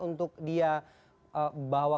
untuk dia bahwa